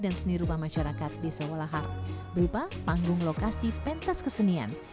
dan seni rupa masyarakat desa walahar berupa panggung lokasi pentas kesenian